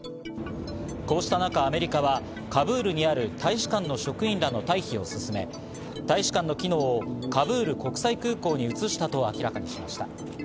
こうした中、アメリカはカブールにある大使館の職員らの退避を進め、大使館の機能をカブール国際空港に移したと明らかにしました。